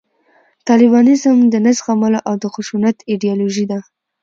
طالبانیزم د نه زغملو او د خشونت ایدیالوژي ده